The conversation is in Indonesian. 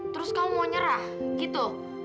terus kamu mau nyerah gitu